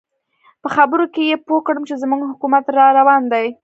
په خبرو کې یې پوه کړم چې زموږ حکومت را روان دی.